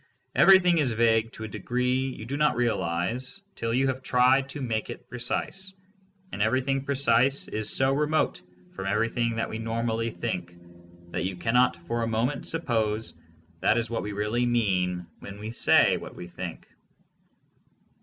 Everything is vague to a degree you do not realize till you have tried to make it precise, and everything precise is so remote from every thing that we normally think, that you cannot for a moment suppose that is what we really mean when we say what we think.